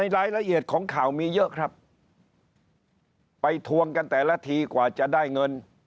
รายละเอียดของข่าวมีเยอะครับไปทวงกันแต่ละทีกว่าจะได้เงิน